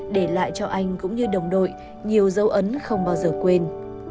để lại cho anh cũng như đồng đội nhiều dấu ấn không bao giờ quên